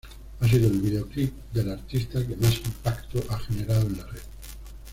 Ha sido el videoclip del artista que más impacto a generado en la red.